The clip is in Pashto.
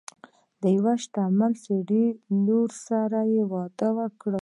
د یو شتمن سړي لور سره یې واده وکړ.